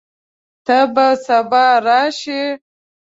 ته به سبا راشې؟